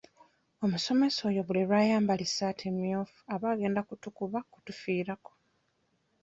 Omusomesa oyo buli lw'ayambala essaati emyufu aba agenda kutukuba kutufiirako.